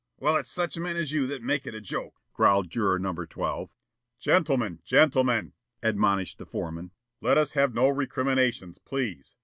"Well, it's just such men as you that make it a joke," growled Juror No. 12. "Gentlemen! Gentlemen!" admonished the foreman. "Let us have no recriminations, please.